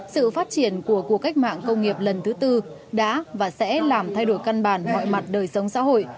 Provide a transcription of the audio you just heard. sự phát triển của cuộc cách mạng công nghiệp lần thứ tư đã và sẽ làm thay đổi căn bản mọi mặt đời sống xã hội